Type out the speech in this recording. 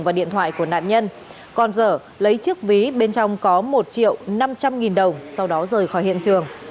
và điện thoại của nạn nhân còn dở lấy chiếc ví bên trong có một triệu năm trăm linh nghìn đồng sau đó rời khỏi hiện trường